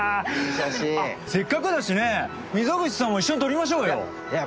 写真せっかくだしね溝口さんも一緒に撮りましょうよいや